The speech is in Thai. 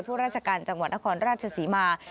ราชการจังหวัดนครราชศรีมา